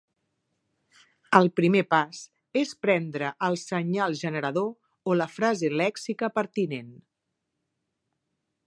El primer pas és prendre el senyal generador o la frase lèxica pertinent.